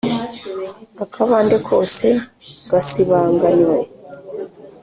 Akabande kose gasibanganywe,